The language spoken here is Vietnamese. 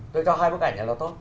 tôi cho hai bức ảnh này nó tốt